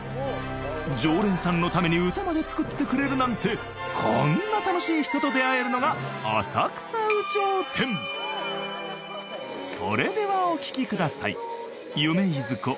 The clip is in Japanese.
常連さんのために歌まで作ってくれるなんてこんな楽しい人と出会えるのが浅草有頂天それではお聴きください